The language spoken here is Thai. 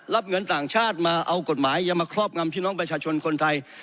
รับเงินต่างชาติมาเอากฎหมายอย่ามาครอบงำพี่น้องประชาชนคนไทย